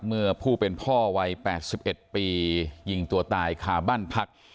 เมื่อผู้เป็นพ่อวัยแปดสิบเอ็ดปียิงตัวตายคาบั้นพัก